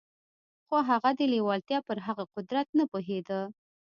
خو هغه د لېوالتیا پر هغه قدرت نه پوهېده.